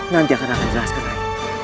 nanti akan raka jelaskan rai